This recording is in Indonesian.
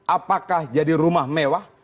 apakah jadi rumah mewah